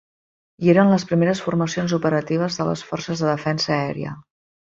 Hi eren les primeres formacions operatives de les Forces de Defensa Aèria.